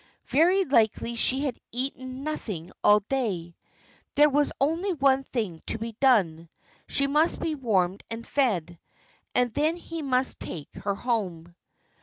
Very likely she had eaten nothing all day. There was only one thing to be done. She must be warmed and fed, and then he must take her home.